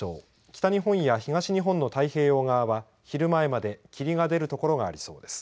北日本や東日本の太平洋側は昼前まで霧が出る所がありそうです。